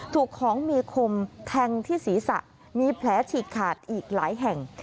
ถูกของมีคมแทงที่ศีรษะมีแผลฉีกขาดอีกหลายแห่ง